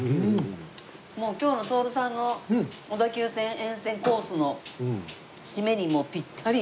もう今日の徹さんの小田急線沿線コースの締めにピッタリ！